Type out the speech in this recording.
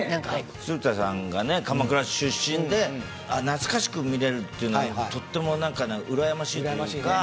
鶴田さんがね鎌倉出身で懐かしく見れるっていうのがとてもうらやましいというか。